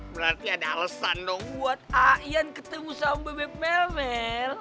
berarti ada alasan loh buat ayan ketemu sama bebek melmel